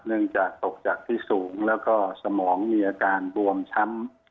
จากตกจากที่สูงแล้วก็สมองมีอาการบวมช้ำ